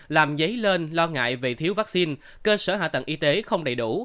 làm dấy lên lo ngại về thiếu vaccine cơ sở hạ tầng y tế không đầy đủ